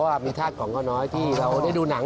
โอ้โหมีทาสกล่องข้อน้อยที่เราได้ดูหนัง